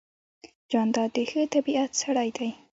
جانداد د ښه طبیعت سړی دی.